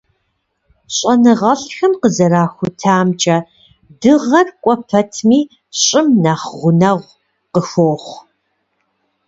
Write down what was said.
ЩӀэныгъэлӀхэм къызэрахутамкӀэ, Дыгъэр кӀуэ пэтми, ЩӀым нэхъ гъунэгъу къыхуохъу.